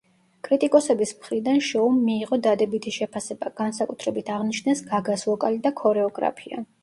კრიტიკოსების მხრიდან შოუმ მიიღო დადებითი შეფასება, განსაკუთრებით აღნიშნეს გაგას ვოკალი და ქორეოგრაფია.